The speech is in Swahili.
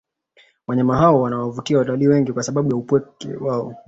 Wanyama hao wanawavutia watalii wengi kwa sababu ya upekee wao